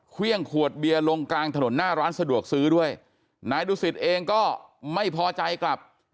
เครื่องขวดเบียร์ลงกลางถนนหน้าร้านสะดวกซื้อด้วยนายดุสิตเองก็ไม่พอใจกลับ